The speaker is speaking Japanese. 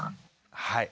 はい。